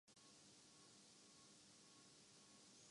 خواتین برقعہ پہنتیں یا نہ پہنتیں۔